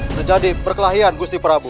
terjadi perkelahian gusti prabu